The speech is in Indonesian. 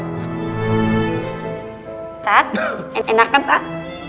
ustadz enakan pak